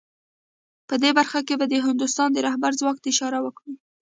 په دې برخه کې به د هندوستان د رهبر ځواک ته اشاره وکړو